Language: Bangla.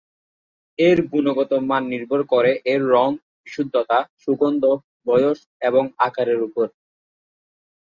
এর গুণগত মান নির্ভর করে এর রং, বিশুদ্ধতা, সুগন্ধ, বয়স এবং আকারের ওপর।